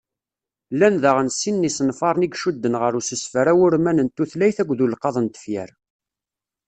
Llan daɣen sin n yisenfaren i icudden ɣer usesfer awurman n tutlayt akked ulqaḍ n tefyar;